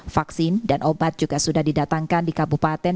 vaksin dan obat juga sudah didatangkan di kabupaten